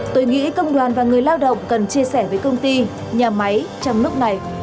tôi nghĩ công đoàn và người lao động cần chia sẻ với công ty nhà máy trong lúc này